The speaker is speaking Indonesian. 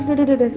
duh duh duh